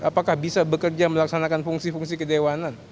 apakah bisa bekerja melaksanakan fungsi fungsi kedewanan